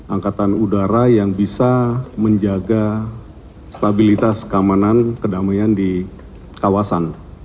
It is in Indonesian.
angkatan udara yang bisa menjaga stabilitas keamanan kedamaian di kawasan